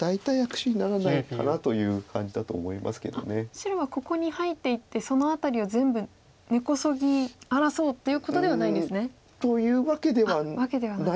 白はここに入っていってその辺りを全部根こそぎ荒らそうっていうことではないんですね。というわけではないと思う。